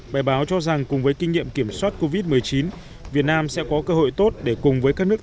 bài báo cho rằng cùng với kinh nghiệm kiểm soát covid một mươi chín việt nam sẽ có cơ hội tốt để cùng với các nước